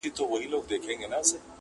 په بشپړه بې تفاوتي -